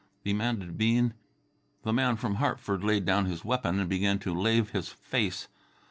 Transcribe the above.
demanded Bean. The man from Hartford laid down his weapon and began to lave his face.